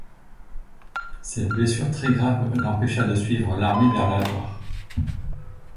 Cette blessure très grave l'empêcha de suivre l'armée vers la Loire.